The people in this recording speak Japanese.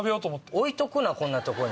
置いとくなこんなとこに。